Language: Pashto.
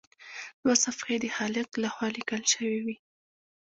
دوه صفحې یې د خالق لخوا لیکل شوي وي.